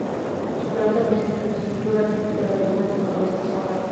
Su planta presenta la estructura típica del románico de esta zona.